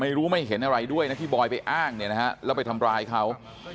ไม่รู้ไม่เห็นอะไรด้วยนะที่บอยไปอ้างเนี่ยนะฮะแล้วไปทำร้ายเขา